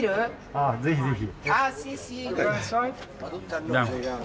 あぜひぜひ。